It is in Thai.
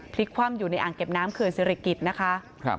คว่ำอยู่ในอ่างเก็บน้ำเขื่อนศิริกิจนะคะ